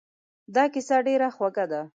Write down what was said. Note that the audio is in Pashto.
دا کیسه ډېره خوږه ده.